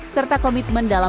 saya ingin mengikuti